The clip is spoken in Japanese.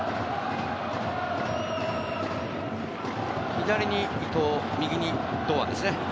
左に伊東、右に堂安ですね。